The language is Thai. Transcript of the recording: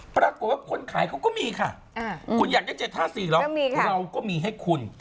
ปรากฏว่าคนขายเขาก็มีค่ะคุณอยากได้๗๕๔เหรอเราก็มีให้คุณ